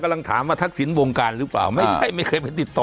กำลังถามว่าทักษิณวงการหรือเปล่าไม่ใช่ไม่เคยไปติดต่อ